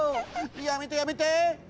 やめてやめて！